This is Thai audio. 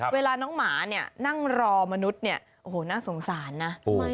เวลาน้องหมาเนี่ยนั่งรอมนุษย์เนี่ยโอ้โหน่าสงสารนะ